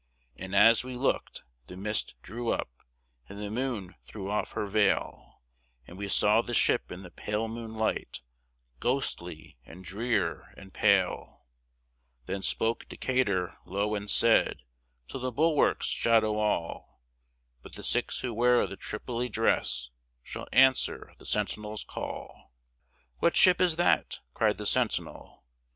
And as we looked, the mist drew up And the moon threw off her veil, And we saw the ship in the pale moonlight, Ghostly and drear and pale. Then spoke Decatur low and said: "To the bulwarks shadow all! But the six who wear the Tripoli dress Shall answer the sentinel's call." "What ship is that?" cried the sentinel.